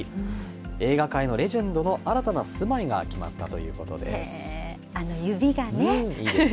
映画界のレジェンドの新たな住まいが決まったあの指がね。